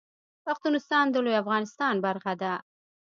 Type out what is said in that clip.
پښتونستان د لوی افغانستان برخه ده